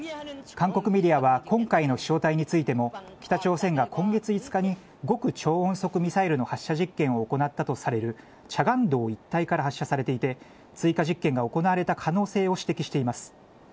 韓国メディアは今回の飛しょう体についても、北朝鮮が今月５日に極超音速ミサイルの発射実験を行ったとされるチャガン道一帯から発射されていて、追加実験が行われた可能性を指摘しています。